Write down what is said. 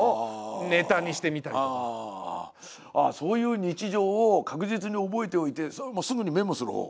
そういう日常を確実に覚えておいてそれすぐにメモするほう？